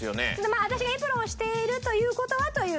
まあ私がエプロンをしているという事はという。